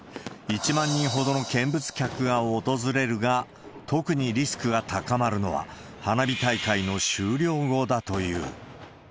１万人ほどの見物客が訪れるが、特にリスクが高まるのは、花火大会の終了後だという。